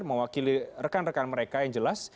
mewakili rekan rekan mereka yang jelas